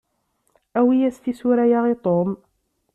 Awi-yas tisura-ya i Tom.